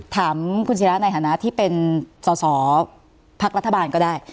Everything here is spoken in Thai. ถามคุณศิราในฐานะที่เป็นสอสอพักรัฐบาลก็ได้